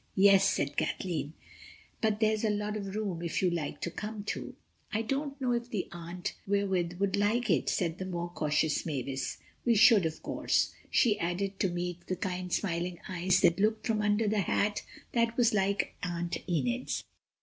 "Yes," said Kathleen, "but there's lots of room if you like to come too." "I don't know if the aunt we're with would like it," said the more cautious Mavis. "We should, of course," she added to meet the kind smiling eyes that looked from under the hat that was like Aunt Enid's.